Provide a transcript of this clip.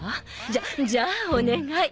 じゃじゃあお願い。